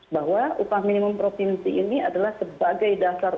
bahwa upah minimum provinsi ini adalah sebagai dasar